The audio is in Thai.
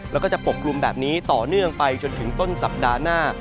แล้วก็จะปกกลุ่มแบบนี้ต่อเนื่องไปจนถึงต้นสัปดาห์หน้า